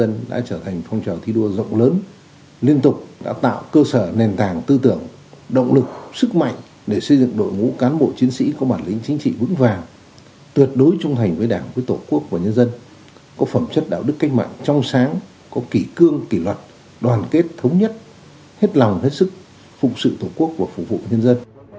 công an nhân dân đã trở thành phong trào thi đua rộng lớn liên tục đã tạo cơ sở nền tảng tư tưởng động lực sức mạnh để xây dựng đội ngũ cán bộ chiến sĩ có bản lĩnh chính trị vững vàng tuyệt đối trung thành với đảng với tổ quốc và nhân dân có phẩm chất đạo đức cách mạnh trong sáng có kỷ cương kỷ luật đoàn kết thống nhất hết lòng hết sức phục sự tổ quốc và phục vụ nhân dân